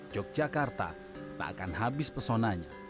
yogyakarta tak akan habis pesonanya